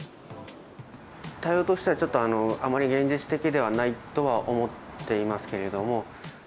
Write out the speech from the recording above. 対応としては、あまり現実的ではないとは思っていますけれども。